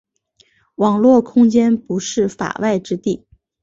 网络空间不是“法外之地”。